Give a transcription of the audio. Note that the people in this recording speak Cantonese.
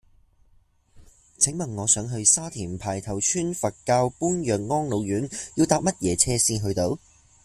請問我想去沙田排頭村佛教般若安老院要搭乜嘢車先去到